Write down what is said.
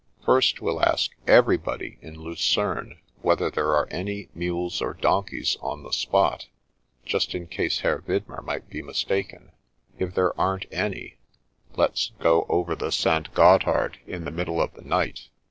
" First, we'll ask everybody in Lucerne whether there are any mules or donkeys on the spot, just in case Herr Widmer might be mistaken; if there aren't any, let's go over the St. Gothard in the middle of the night.''